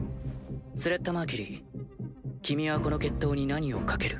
スレッタ・マーキュリー君はこの決闘に何を賭ける？